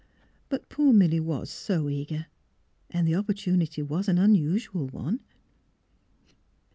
" But poor Milly was so eager, and the opportunity was an unusual one."